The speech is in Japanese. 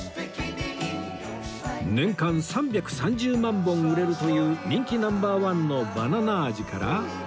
年間３３０万本売れるという人気 Ｎｏ．１ のバナナ味から